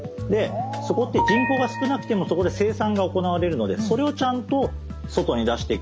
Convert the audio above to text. そこって人口が少なくてもそこで生産が行われるのでそれをちゃんと外に出していく。